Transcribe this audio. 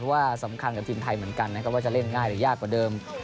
ว่าสำคัญกับทีมไทยเหมือนกันนะครับว่าจะเล่นง่ายหรือยากกว่าเดิม